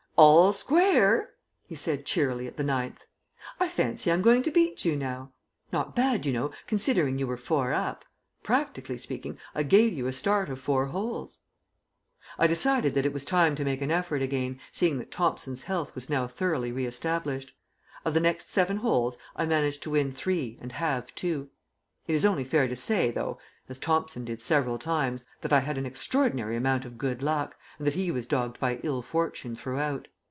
"All square," he said cheerily at the ninth. "I fancy I'm going to beat you now. Not bad, you know, considering you were four up. Practically speaking, I gave you a start of four holes." I decided that it was time to make an effort again, seeing that Thomson's health was now thoroughly re established. Of the next seven holes I managed to win three and halve two. It is only fair to say, though (as Thomson did several times), that I had an extraordinary amount of good luck, and that he was dogged by ill fortune throughout.